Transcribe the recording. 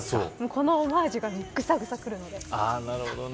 このオマージュが、グサグサくるんで。